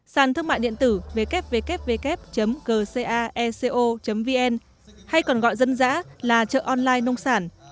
sản thương mại điện tử www gcaeco vn hay còn gọi dân dã là chợ online nông sản